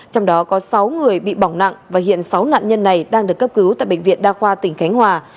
trong đó có sáu người bị bỏng nặng và hiện sáu nạn nhân này đang được cấp cứu tại bệnh viện đa khoa tỉnh khánh hòa